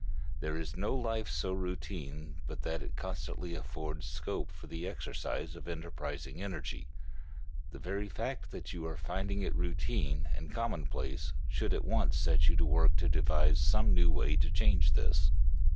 There is no life so routine but that it constantly affords scope for the exercise of enterprising energy. The very fact that you are finding it routine and commonplace should at once set you to work to devise some new way to change this.